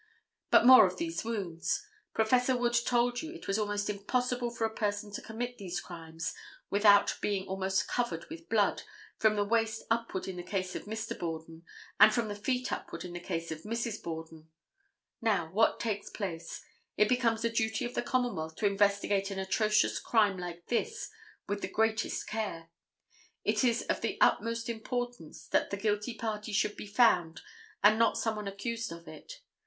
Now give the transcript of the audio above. But more of these wounds. Prof. Wood told you it was almost impossible for a person to commit these crimes without being almost covered with blood, from the waist upward in the case of Mr. Borden, and from the feet upward in the case of Mrs. Borden. Now, what takes place? It becomes the duty of the Commonwealth to investigate an atrocious crime like this with the greatest care. It is of the utmost importance that the guilty party should be found and not someone accused of it.